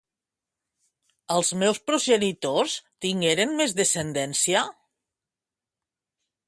Els seus progenitors tingueren més descendència?